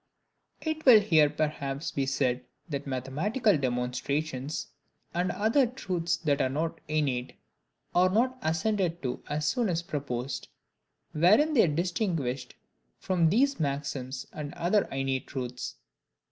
It will here perhaps be said that mathematical demonstrations, and other truths that are not innate, are not assented to as soon as proposed, wherein they are distinguished from these maxims and other innate truths.